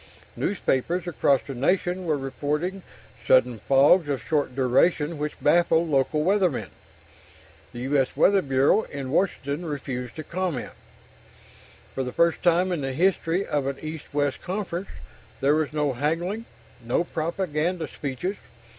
Newspapers across the nation were reporting sudden fogs of short duration which baffled local weathermen. The U. S. Weather Bureau in Washington refused to comment. For the first time in the history of an East West conference, there was no haggling, no propaganda speeches.